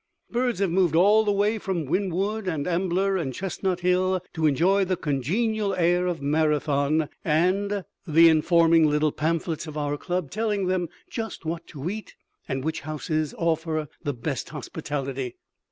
Birds have moved all the way from Wynnewood and Ambler and Chestnut Hill to enjoy the congenial air of Marathon and the informing little pamphlets of our club, telling them just what to eat and which houses offer the best hospitality.